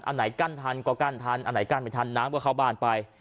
อันไหนกั้นทันก็กั้นทันอันไหนกั้นไม่ทันน้ำก็เข้าบ้านไป